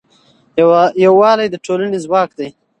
یووالی د ټولنې ځواک دی.